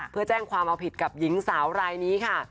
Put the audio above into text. เพื่อแจ้งความเอาผิดกับหญิงสาวรายนี้ค่ะ